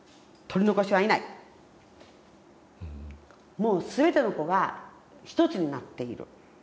もう全ての子が一つになっている。